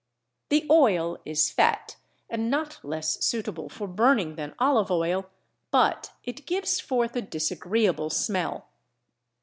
The oil is fat and not less suitable for burning than olive oil, but it gives forth a disagreeable smell.